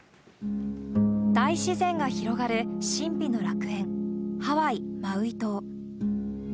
大自然が広がる神秘の楽園、ハワイ・マウイ島。